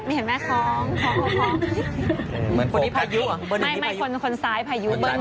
เห็นไหมเขาเกาะดูไหนเขาเกาะ